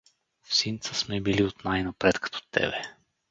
Всинца сме били от най-напред като тебе.